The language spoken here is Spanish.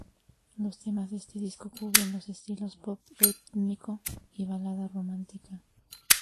Los temas de este disco cubren los estilos pop rítmico y balada romántica.